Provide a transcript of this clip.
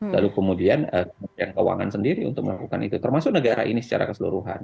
lalu kemudian keuangan sendiri untuk melakukan itu termasuk negara ini secara keseluruhan